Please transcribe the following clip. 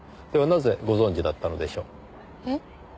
ではなぜご存じだったのでしょう？えっ？